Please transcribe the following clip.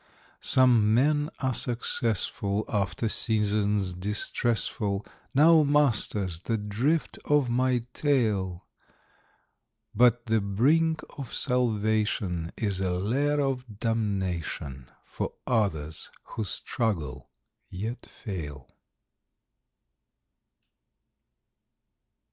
Some men are successful after seasons distressful [Now, masters, the drift of my tale]; But the brink of salvation is a lair of damnation For others who struggle, yet fail.